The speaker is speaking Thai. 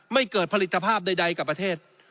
ไม่เกิดผลิตภาพใดกับประเทศ